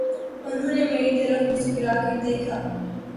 انہوں نے میرے طرف مسکرا کر دیکھا